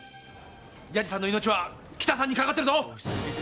ヤジさんの命はキタさんにかかってるぞ！